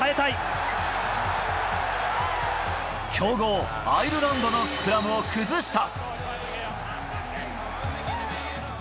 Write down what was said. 強豪・アイルランドのスクラムを崩した。